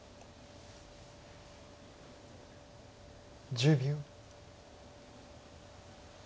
１０秒。